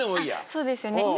そうですよね。